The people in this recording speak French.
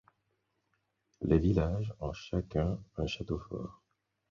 Les villages ont chacun un château-fort.